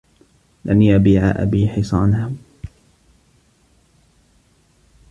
لَنْ يَبِيعَ أَبِي حِصَانَهِ.